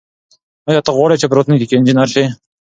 آیا ته غواړې چې په راتلونکي کې انجنیر شې؟